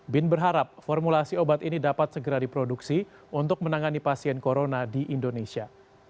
bin berharap formulasi obat ini dapat segera diproduksi untuk menangani pasien corona di indonesia